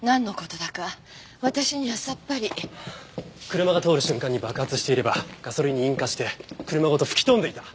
車が通る瞬間に爆発していればガソリンに引火して車ごと吹き飛んでいた！